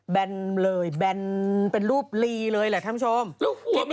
แบนด์เลยแบนด์เป็นรูปลีเลยแหละค่ะคุณผู้ชม